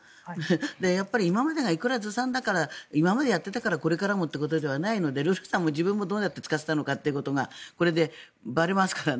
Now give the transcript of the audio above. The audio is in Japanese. やっぱり今までがいくらずさんだから今までやっていたからこれからもということではないのでルラさんも自分がどうやって使ってたのかはこれでばれますからね。